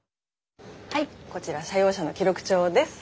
はいこちら社用車の記録帳です。